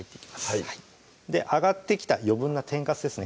はい上がってきた余分な天かすですね